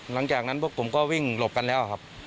หลังจากนั้นพวกผมก็วิ่งหลบกันแล้วครับ